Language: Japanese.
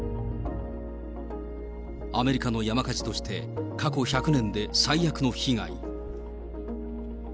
アメリカの山火事として、過去１００年で最悪の被害。